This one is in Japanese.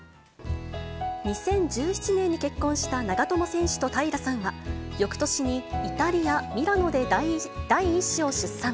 ２０１７年に結婚した長友選手と平さんは、よくとしにイタリア・ミラノで第１子を出産。